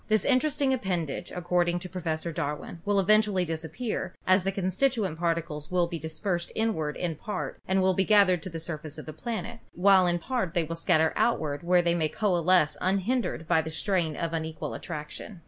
This interesting appendage, ac cording to Professor Darwin, will eventually disappear, as the constituent particles will be dispersed inward in part and will be gathered to the surface of the planet, while in part they will scatter outward where they may coalesce unhindered by the strain of unequal attraction.